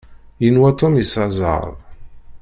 Yenwa Tom yesɛa zzheṛ.